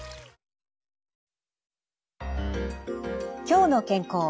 「きょうの健康」